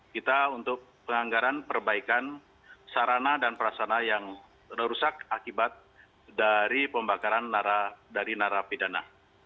kita untuk penganggaran perbaikan sarana dan prasana yang rusak akibat dari pembakaran dari narapidana